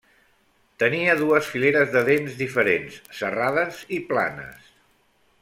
Tènia dues fileres de dents diferents, serrades i planes.